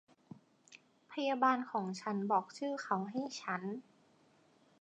พยาบาลของฉันบอกชื่อเขาให้ฉัน